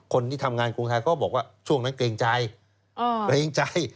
คนที่ทำงานกรุงไทยก็บอกว่าช่วงนั้นเกรงใจเกรงใจ